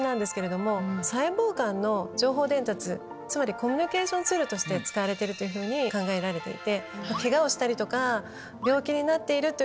コミュニケーションツールとして使われていると考えられていて。